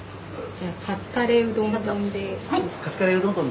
じゃあカツカレーうどん丼で。